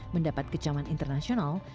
mendapat kecaman internasional